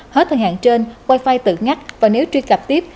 hết thần hạn trên wi fi tự ngắt và nếu truy cập tiếp